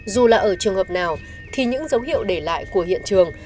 dù là ở trường hợp nào thì những dấu hiệu để lại của hiện trường